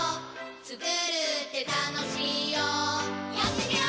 つくるってたのしいよやってみよー！